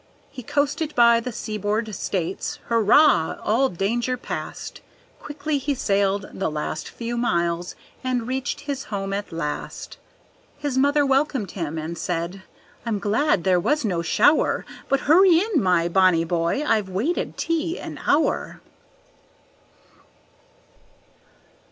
He coasted by the seaboard States. Hurrah! all danger past, Quickly he sailed the last few miles and reached his home at last; His mother welcomed him, and said, "I'm glad there was no shower; But hurry in, my bonny boy, I've waited tea an hour."